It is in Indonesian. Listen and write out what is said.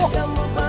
beng anjing uca